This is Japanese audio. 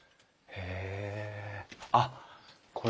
へえ。